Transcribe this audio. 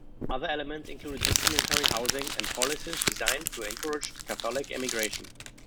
Other elements included discriminatory housing and polices designed to encourage Catholic emigration.